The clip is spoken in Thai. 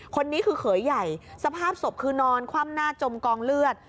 คนนี้คือเขยใหญ่สภาพศพคือนอนคว่ำหน้าจมกองเลือด